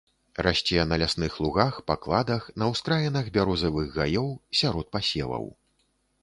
Расце на лясных лугах, пакладах, на ўскраінах бярозавых гаёў, сярод пасеваў.